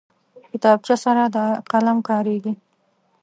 کتابچه سره د قلم کارېږي